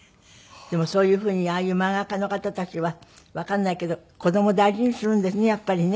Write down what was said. でもそういうふうにああいう漫画家の方たちはわかんないけど子供大事にするんですねやっぱりね。